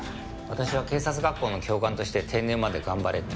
私は警察学校の教官として定年まで頑張れって。